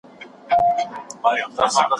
اقتصادي وده تر اقتصادي پرمختیا محدوده مانا لري.